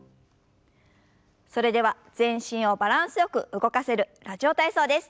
それでは全身をバランスよく動かせる「ラジオ体操」です。